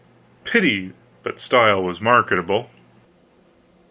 Pity but style was marketable."